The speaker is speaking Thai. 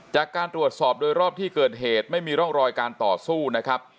จากการตรวจสอบโดยรอบที่เกิดเหตุไม่มีร่องรอยการต่อสู้นะครับ